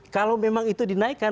kalau memang itu dinaikkan